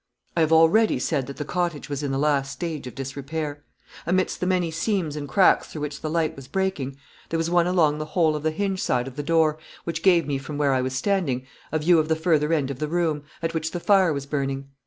I have already said that the cottage was in the last stage of disrepair. Amidst the many seams and cracks through which the light was breaking there was one along the whole of the hinge side of the door, which gave me from where I was standing a view of the further end of the room, at which the fire was burning.